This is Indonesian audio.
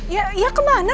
ya ya kemana